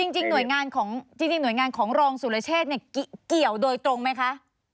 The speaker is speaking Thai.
จริงหน่วยงานของลองสุรเชษฐฯเกี่ยวโดยตรงไหมคะ